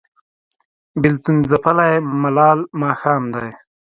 بیلتون ځپلی ملال ماښام دی